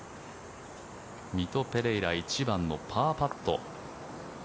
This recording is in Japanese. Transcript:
ミト・ペレイラ１番のパーパット。